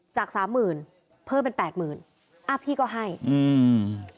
จากสามหมื่นเพิ่มเป็นแปดหมื่นอ่าพี่ก็ให้อืม